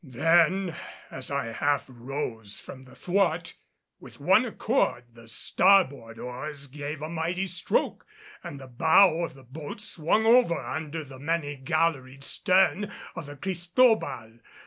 Then as I half rose from the thwart, with one accord the starboard oars gave a mighty stroke and the bow of the boat swung over under the many galleried stern of the Cristobal.